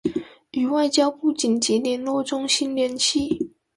與外交部緊急聯絡中心聯繫